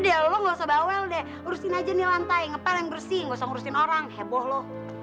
kok nggak usah bawel deh urusin aja nih lantai ngepel yang bersih nggak usah ngurusin orang heboh lo